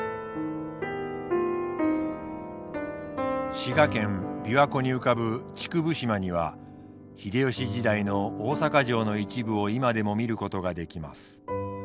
滋賀県琵琶湖に浮かぶ竹生島には秀吉時代の大坂城の一部を今でも見ることができます。